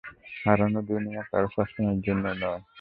হারানো দুনিয়া কারো শাসনের জন্য নয়।